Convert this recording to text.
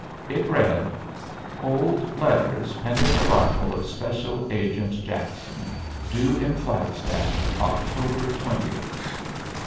It read, "Hold letters pending arrival of special agent Jackson, due in Flagstaff October twentieth."